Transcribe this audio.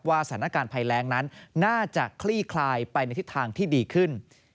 สถานการณ์ภัยแรงนั้นน่าจะคลี่คลายไปในทิศทางที่ดีขึ้น